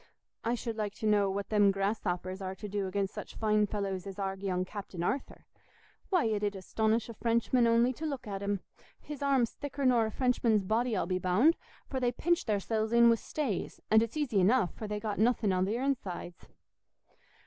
I should like to know what them grasshoppers are to do against such fine fellows as our young Captain Arthur. Why, it 'ud astonish a Frenchman only to look at him; his arm's thicker nor a Frenchman's body, I'll be bound, for they pinch theirsells in wi' stays; and it's easy enough, for they've got nothing i' their insides."